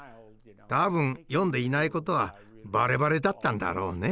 多分読んでいないことはバレバレだったんだろうね。